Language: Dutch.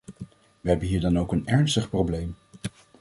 Wij hebben hier dan ook een ernstig probleem.